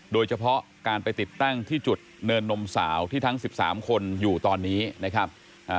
โดยเฉพาะการไปติดตั้งที่จุดเนินนมสาวที่ทั้ง๑๓คนอยู่ตอนนี้นะครับ